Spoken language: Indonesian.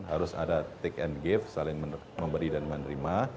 harus ada take and give saling memberi dan menerima